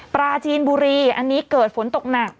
ปราจีนบุรีอันนี้เกิดฝนตกหนัก